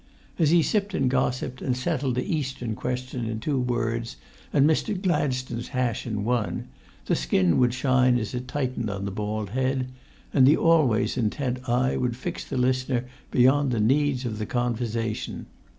As he sipped and gossiped, and settled the Eastern Question in two words, and Mr. Gladstone's hash in one, the skin would shine as it tightened on the bald head, and the always intent eye would fix the listener beyond the needs of the conversation.